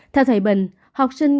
theo thầy bình học sinh